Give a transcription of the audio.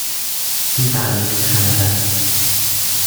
He rallied, however.